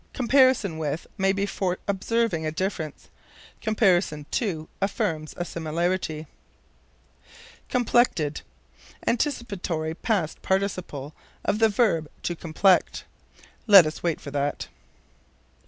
Comparison with may be for observing a difference; comparison to affirms a similarity. Complected. Anticipatory past participle of the verb "to complect." Let us wait for that.